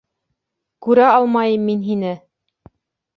Күрә алмайым мин һине!